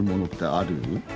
ある。